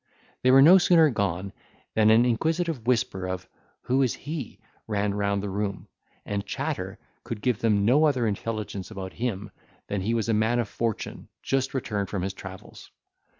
They were no sooner gone than an inquisitive whisper of "Who is he?" ran round the room; and Chatter could give them no other intelligence about him than that he was a man of fortune just returned from his travels.